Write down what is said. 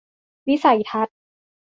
วิสัยทัศน์